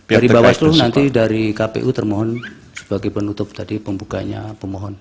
dari bawaslu nanti dari kpu termohon sebagai penutup tadi pembukanya pemohon